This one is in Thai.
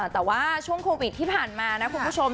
แต่ว่าช่วงโควิดที่ผ่านมานะคุณผู้ชม